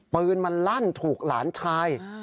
ปืนมันลั่นถูกหลานชาย